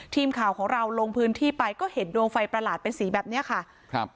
ทีมข่าวของเราลงพื้นที่ไปก็เห็นดวงไฟประหลาดเป็นสีแบบเนี้ยค่ะครับ